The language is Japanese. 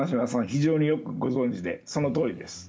非常によくご存じでそのとおりです。